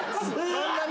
そんなに。